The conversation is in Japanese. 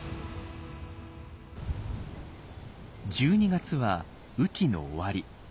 １２月は雨季の終わり。